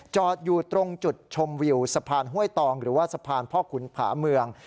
จอดอยู่ตรงจุดชมวิวสะพานห้วยตองหรือว่าสะพานพ่อขุนผาเมือง